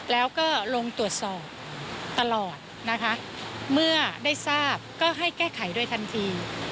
แล้วก็ลงตรวจสอบตลอดนะคะเมื่อได้ทราบก็ให้แก้ไขโดยทันที